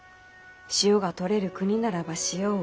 塩が取れる国ならば塩を。